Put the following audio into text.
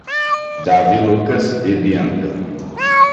Davi Lucas e Bianca